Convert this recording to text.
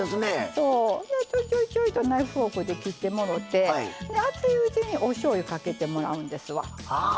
ちょいちょいとフォークで切ってもろて熱いうちにおしょうゆかけてもらうんですわ。